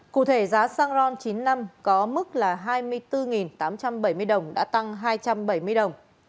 cụ thể giá xăng ron chín mươi năm có mức là hai mươi bốn tám trăm bảy mươi đồng đã tăng hai trăm bảy mươi đồng